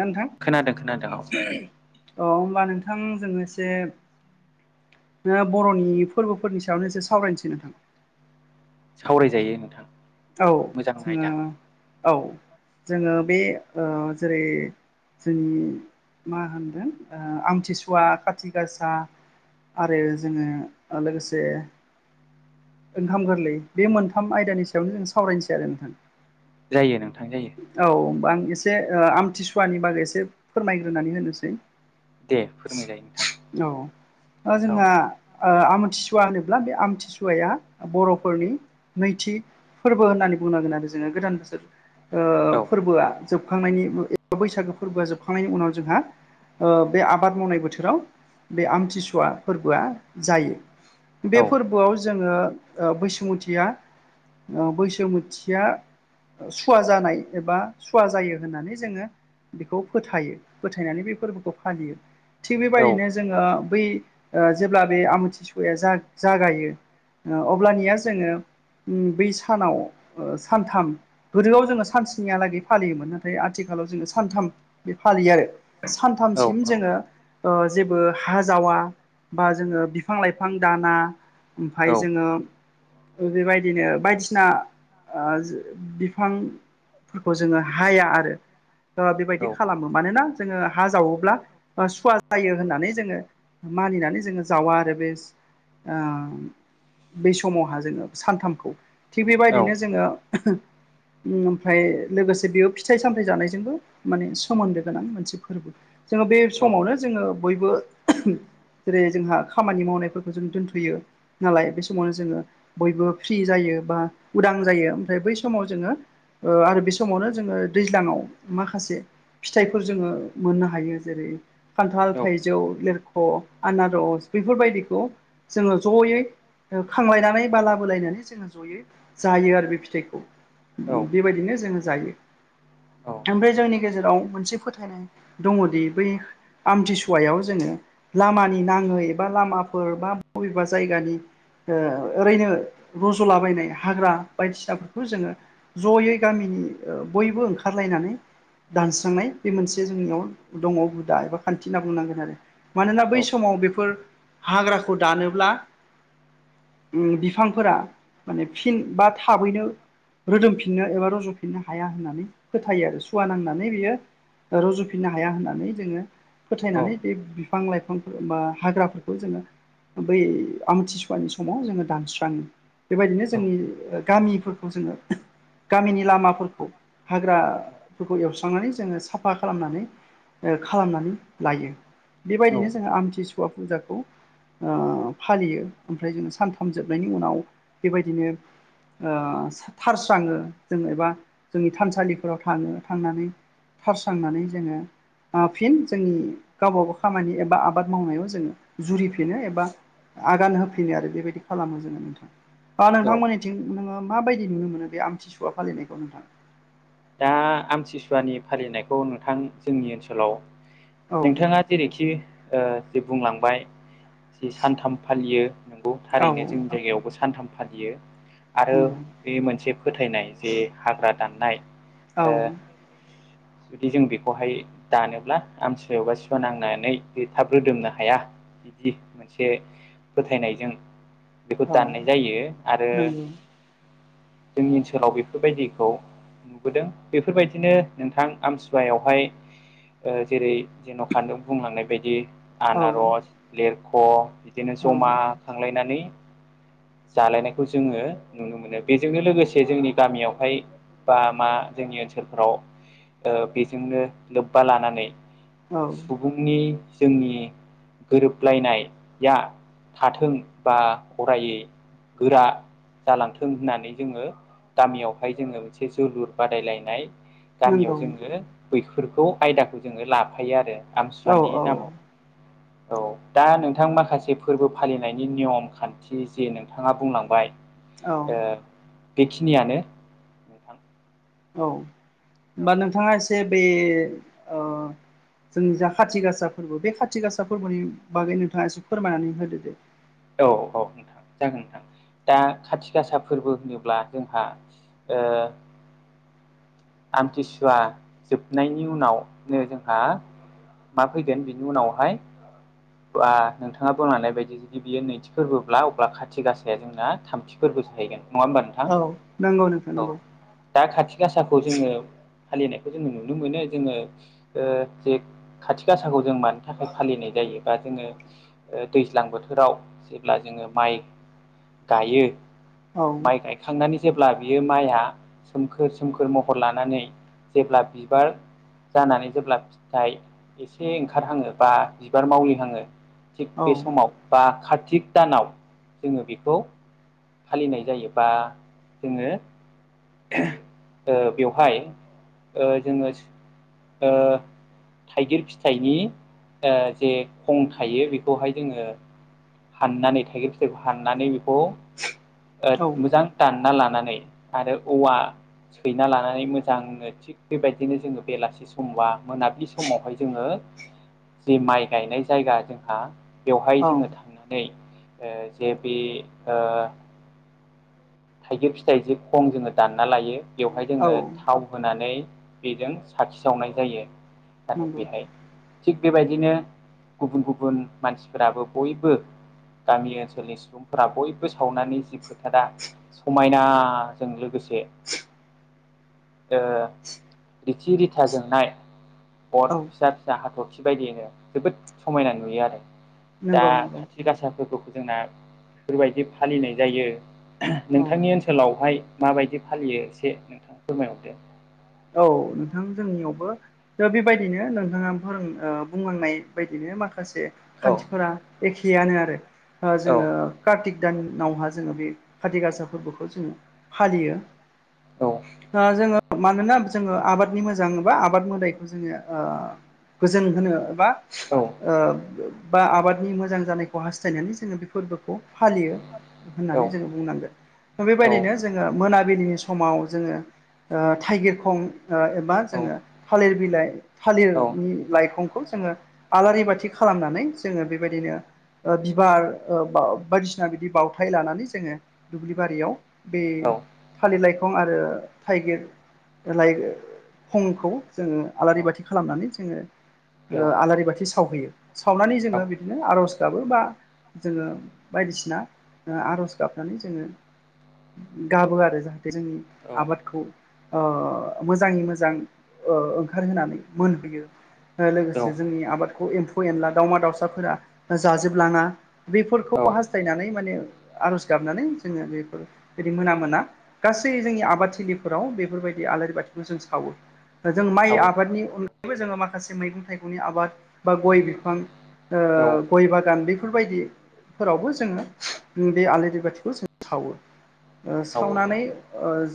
ना नोंथां खोनादों खोनादों औ औ होमबा नोंथां जोङो एसे नो बर'नि फोरबोफोरनि सायावनो एसे सावरायनोसै नोंथां सावरायजायो नोंथां औ मोजां जोङो आयदा औ जोङो बे ओ जेरै जोंनि मा होनदों ओ आमथिसुवा खाथि गासा आरो जोङो लोगोसे ओंखाम गोरलै बे मोनथाम आयदानि सायावनो जों सावरायनोसै आरो नोंथां जायो नोंथां जायो औ हबा आं एसे ओ आमथिसुवानि बागै एसे फोरमायग्रोनानै होनोसै दे फोरमायजायो नोंथां औ दा औ जोंहा ओ आमथिसुवा होनोब्ला बे आमथिसुवाया बर'फोरनि नैथि फोरबो होननानै बुंनांगोन आरो जोङो गोदान बोसोर ओ औ फोरबोआ जोबखांनायनि एबा बैसागो फोरबोआ जोबखांनायनि उनाव जोंहा ओ बे आबाद मावनाय बोथोराव बे आमथिसुवा फोरबोआ जायो बे औ फोरबोआव जोङो बैसुमुथिया बैसुमुथिया सुवा जानाय एबा सुवा जायो होननानै जोङो बेखौ फोथाय ओ औ जेब्ला बे आमुथिसुवाया जागायो अब्लानिया जोङो बै सानाव सानथाम गोदोआव जोङो सान न्सिहालागै फालियोमोन नाथाय आथिखालाव जोङो सानथाम बिदि फालियो आरो औ सानथामसिम जोङो जेबो हाजावा बा जोङो बिफां लाइफां दाना ओमफाय औ जोङो बेबायदिनो बायदिसिना ओ बिफांफोरखौ जोङो हाया आरो ओ बेबायदि औ खालामो मानोना जोङो हा जावोब्ला सुवा जायो होननानै जोङो मानिनानै जोङो जावा आरो बे ओ बे समावहा जोङो सानथामखौ थिग बेबायदिनो जोङो ओमफ्राय लोगोसे बेयाव फिथाइ सामथायाइ जानायजोंबो माने सोमोन्दो गोनां मोनसे फोरबो जोङो बे समावनो जोङो बयबो जेरै जोंहा खामानि मावनायफोरखौ जों दोनथ'यो नालाय बे समावनो जोङो बयबो फ्रि जायो बा उदां जायो ओमफ्राय बै समाव जोङो ओ आरो बे समावनो जोङो दैज्लाङाव माखासे फिथाइफोर जोङो मोननो हायो जेरै खान्थाल थाइजौ लिरख' आनारस बेफोरबायदिखौ जोङो ज'यै खांलायनानै बा लाबोलायनानै जोङो ज'यै जायो आरो बे फिथाइखौ बेबायदिनो जोङो जायो। ओमफ्राय जोंनि गेजेराव मोनसे फोथायनाय दङदि बै आमथिसुवायाव जोङो लामानि नाङै एबा लामाफोर बा बबेबा जायगानि ओरैनो रज'लाबायनाय हाग्रा बायदिसिनाफोरखौ जोङो ज'यै गामिनि बयबो ओंखारलायनानै दानस्रांनाय बे मोनसे जोंनियाव दङ हुदा एबा खान्थि होनना बुंनांगोन आरो मानोना बै समाव बेफोर हाग्राखौ दानोब्ला उम बिफांफोरा माने फिन बा थाबैनो रोदोमफिननो एबा रज'फिननो हाया होननानै फोथायो आरो सुवा नांनानै बियो रुजफिननो हाया होननानै जोङो औ फोथायनानै बे बिफां लाइफांफोर बा हाग्राफोरखौ जोङो बै आमथिसुवानि समाव जोङो दानस्राङो बेबायदिनो जोंनि गामिफोरखौ जो गामिनि लामा फोरखौ हाग्राफोरखौ एवस्रांनानै जोङो साफ फा खालामनानै ओ खालामनानै लायो बेबायदिनो जोङो आमथिसुवा फुजाखौ ओ फालियो ओमफ्राय जोङो सानथाम जोबनायनि उनाव बिदिनो ओ थारस्राङो जों एबा जोंनि थानसालिफोराव थाङो थांनानै थारस्रांनानै जोङो ओ फिन जोंनि गावबाागाव खामानि एबा आबाद मावनायाव जोङो जुरिफिनो एबा आगान होफिनो आरो बेबायदि खालामो जोङो नोंथां। बा नोंथांमोननिथिं नोङो मााबायदि नुनो मोनो बे आमथिसुवा फालिनायखौ नोंथां? दा आमतसुवानि फालिनायखौ नोंथां जोंनि ओनसोलाव औ नोंथाङा जेरैखि ओ जे बुंलांबाय जि सानथाम फालियो नंगौ औ थारैनो जोंनि जायगायावबो सानथाम फालियो। आरो नंगौ बे मोनसे फोथायनाय जे हाग्रा दाननाय औ ओ जुदि जों बेखौहाय दानोब्ला आमसुवायावबा सुवा नांनानै बे थाब रोदोमनो हाया। बिदि मोनसे फोथायनायजों बेखौ औ दाननाय जायो आरो नंगौ जोंनि ओनसोलाव बेफोरबायदिखौ बोदों बेफोरबायदिनो नोंथां आमसुवायावहाय जेरै जेन' खान्दुं बुंलांनाय बायदि औ आनारस, लेरख' बिदिनो औ जमा खांलायनानै जालायनायखौ जोङो नुनो मोनो बेजोंनो लोगोसे जोंनि गामियावहाय बा मा जोंनि ओनसोलफोराव ओ बेजोंनो लोब्बा लानानै औ सुबुंनि जोंनि गोरोबलायनाया थाथों बा गरायै गोरा जालांथों होननानै जोङो गामियावहाय जोङो मोनसे जोलुर बादायलायनाय गामियाव नंगौ जोङो बैफोरखौ आयदाखौ जोङो लाफायो आरो आमति औ सुवानि औ नामाव। औ दा नोंथां माखासे फोरबो फालिनायनि नियम खान्थि जे नों थाङा बुंलांबाय औ ओ बेखिनियानो नोंथां औ औ होनबा नोंथाङा एसे बे ओ जों जा खाथि गासा फोरबो बे खाथि गासा फोरबोनि बागै नोंथाङा एसे फोरमायनानै होदो दे औ औ नोंथां जागोन नोंथां दा खाथि गासा फोरबो होनोब्ला जोंहा ओ आमथिसुवा जोबनायनि उनावनो जोंहा मा फैगोन बिनि उनावहाय ओ नोंथाङा बुंलांनाय बायदि जुदि बियो नैथि फोरबोब्ला अब्ला खाथि गासाया जोंना थामथि फोरबो जाहैगोन नङा होमबा नोंथां औ नंगौ नोंथां औ नंगौ दा खाथि गासाखौ जोङो फालिनायखौ जोङो नुनो मोनो जोङो ओ जे खाथि गासाखौ जों मानि थाखाय फालिनाय जायो बा जोङो दैज्लां बोथोराव जेब्ला जोङो माइ गायो औ माइ गायखांनानै जेब्ला बियो माइआ सोमखोर सोमखोर म हर लानानै जेब्ला बिबार जानानै जेब्ला फिथाइ एसे ओंखारहाङो बा बिबार मावलिहङो थिग औ बे समाव बा कार्तिक दानाव जोङो बेखौ फालिनाय जायोबा जोङो ओ बेवहाय ओ जोङो सु ओ थाइगिर फिथाइनि ओ जे खं थायो बेखौहाय जोङो हाननानै थाइगिर फिथाइखौ हाननानै बेखौ ओ औ मोजां दानना लानानै आरो औवा सैना लानानै मोजां बेबायदिनो जोङो बेलासि समबा मोनाबिलि समावहाय जोङो जे माइ गायनाय जायगा जोंहा बेवहाय औ जोङो थांनानै जे बि ओ थाइगिर फिथाइ जे खं जोङो दानना लायो बेवहाय जोङो औ थाव होनानै बेजों साखि सावनाय जायो नंगौ बेहाय थिग बेबायदिनो गुबुन गुबुन मानसिफोराबो बयबो गामि ओनसोलनि सुबुंफोरा बयबो सावनानै जि फोथारा समायनाजों लोगोसे ओ रिथि रिथा जोंनाय अर औ फिसा फिसा हाथरखि बायदियैनो जोबोद समायना नुयो आरो दा नंगौ नंगौ खाथि गासा फोरबोखौ जोंना बेफोरबायदि फालिनाय जायो औ नोंथांनि ओन सोलावहाय माबायदि फालियो एसे नोंथां फोरमायहरदो औ नोंथां जोंनियावबो ओ बेबायदिनो नोंथाङा फोरों बुंलांनाय बायदिनो माखासे औ खान्थिफोरा एखेयानो आरो ओ औ जोङो कार्तिक दानावहा जोङो बे काति गासा फोरबोखौ जोङो फालियो औ ओ जोङो मानोना जोङो आबादनि मोजां बा आबाद मोदायखौ जोङो ओ गोजोन होनो बा औ ओ बा आबादनि मोजां जानायखौ हास्थायनानै जोङो बे फोरबोखौ फालियो औ होननानै जोङो बुंनांगोन औ बेबायदिनो जोङो मोनाबिलिनि समाव जोङो थाइगिर खं ओ एबा औ जोङो थालिर बिलाइ औ थालिरनि लाइखंखौ जोङो आलारि बाथि खालामनानै जोङो बेबायदिनो बिबार ओ बायदिसिना बिदि बावथाय लानानै जोङो दुब्लि बारियाव बे थालिर लाइखं आरो थाइगिर लाइ खंखौ जोङो आलारि बाथि खालामनानै जोङो आलारि बाथि सावहैयो सावनानै जोङो बिदिनो आर'ज गाबो बा जोङो बायदिसिना आर'ज गाबनानै जोङो गाबो आरो जाहाथे जोंनि आबादखौ ओ मोजाङै मोजां ओंखारहोनानै बोर बियो लोगोसे जोंनि आबादखौ एम्फौ एनला दावमा दाउसाफोरा जाजोबलाङा बेफोरखौ हास्थायनानै माने आर'ज गाबनानै जोङो बेफोर बिदि मोना मोना गासै जोंनि आबादथिलिफोराव बे बेफोरबायदि आलारि बाथिखौ जों सावो जों माइ आबादनि बो जोङो माखासे मैगं थाइगंनि आबाद बा गय बिफां ओ औ गय बागान बेफोरबायदि फोरावबो जोङो बे आलारि बाथिखौ जों सावो सावो औ सावनानै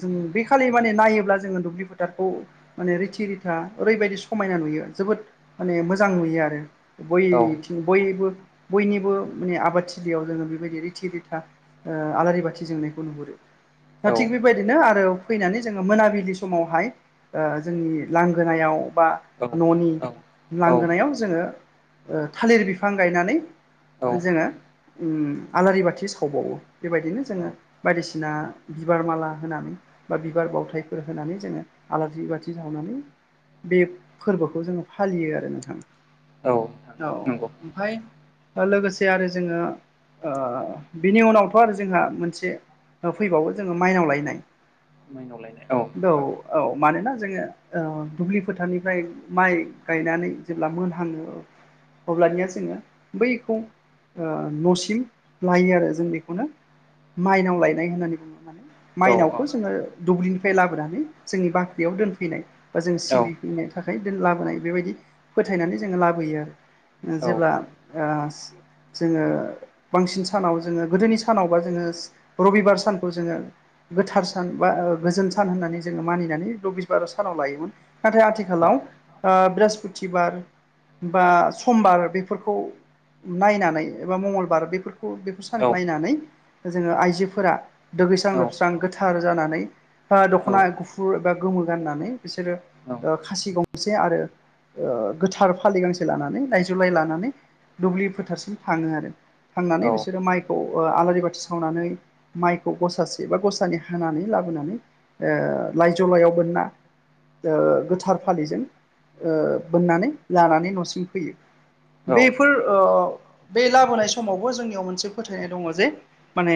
जों बे खालि माने नायोब्ला जोङो दुब्लि फोथारखौ माने रिथि रिथा ओरैबायदि समायना नुयो जोबोद माने मोजां नुयो आरो बय सावो औ बयबो बयनिबो माने आबादथिलियाव जोङो बेबायदि रिथि रिथा आलारि बाथि जोंनायखौ नुहुरो दा औ थिग बेबायदिनो आरो फैनानै जोङो मोनाबिलि समावहाय जोंनि लांगोनायाव बा न'नि औ औ लांगोनायाव जोङो थालिर बिफां गायनानै जोङो आलारि बाथि सावबावो बेबायदिनो औ जोङो बायदिसिना बिबार माला होनानै बा बिबार बावथायफोर होनानै जोङो आलारि बाथि सावनानै बे फोरबोखौ जोङो फालियो आरो औ नोंथां औ नंगौ ओमफाय लोगोसे आरो जोङो बिनि उनावथ' आरो जोंहा मोनसे फैबावो जोङो माइनाव लायनाय औ औ औ मानोना जोङो ओ दुब्लि फोथारनिफ्राय माइ गायनानै जेब्ला मोनहाङो अब्लानिया जोङो बैखौ ओ न'सिम लायो आरो जों बेखौनो माइनाव लायनाय होननानै बुङो मा औ मायनावखौ जोङो दुब्लिनिफ्राय लाबोनानै जोंनि बाख्रियाव दोनफैनाय बा जों औ सिबि नो थाखाय लाबोनाय बेबायदि फोथायनानै जोङो लाबोयो आरो औ जेब्ला जोङो बांसिन सानाव जोङो गोदोनि सानावबा जोङो रबिबार सानखौ जोङो गोथार सान बा गोजोन सान होननानै जोङो मानिनानै रबिबार सानाव लायोमोन नाथाय आथिखालाव ओ बृहस्पतिबार बा समबार बेफोरखौ नायनानै एबा मंगलबार बेफोरखौ सानखौ नायनानै जोङो आइजोफोरा दुगैस्रां लोबस्रां गोथार जानानै बा दख'ना गुफुर एबा गोमो गाननानै बिसोरो खासि गंसे आरो गोथार फालि गांसे लानानै लायजौ लाय लानानै दुब्लि फोथारसिम थाङो आरो थांनानै बिसोरो माइखौ ओ आलारि बाथि सावनानै माइखौ गसासे बा गसानै हानानै लाबोनानै ओ लाइजौ लायाव बोनना ओ गोथार फालिजों ओ बोननानै लानानै न'सिम फैयो। औ बेफोर ओ बे लाबोनाय समावबो जोंनियाव मोनसे फोथायनाय दङ जे माने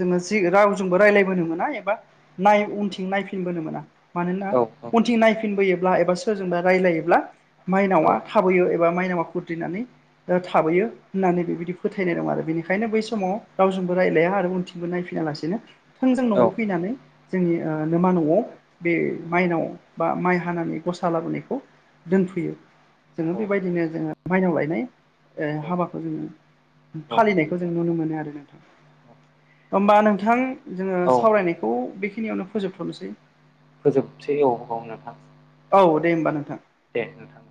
जोङो जि रावजोंबो रायलायबोनो मोना एबा नाय औ उनथिं नायफिनबोनो मोना मानोना औ उनथिं नायफिनबोयोब्ला एबा सोरजोंबा रायजलायोब्ला माइनावा थाबोयो एबा माइनावा खुद्रिनानै ओ थाबोयो होननानै बेबायदि फोथायनाय दं आरो बेनिखायनो बै समाव रावजोंबो रायज्लाया आरो उनथिं बो नायफिना लासिनो थोंजों न'आव फैनानै जोंनि नोमा न'आव बे औ माइनाव बा माइ हानानै गसा लाबोनायखौ दोनफैयो औ जोङो बेबायदिनो जोङो मायनाव लायनाय हाबाखौ ओ जोङो फालिनायखौ जों नुनो मोनो आरो नोंथां होमबा नोंथां जोङो सावरायनायखौ बेखिनियावनो फोजोबथ'नोसै फोजोबसै औ औ नोथां। औ दे होनबा नोंथां। दे नोंथां।